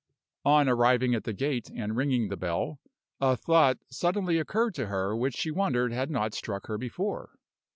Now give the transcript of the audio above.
On, arriving at the gate and ringing the bell, a thought suddenly occurred to her, which she wondered had not struck her before.